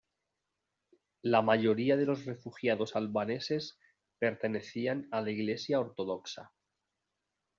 La mayoría de los refugiados albaneses pertenecían a la Iglesia ortodoxa.